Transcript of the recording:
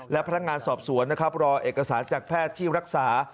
และพนักงานสอบสวนนะครับรอเอกสารจากแพทย์ที่รักษา